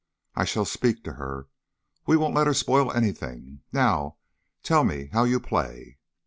"I shall speak to her. We won't let her spoil anything. Now tell me how you play."